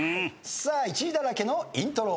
１位だらけのイントロ。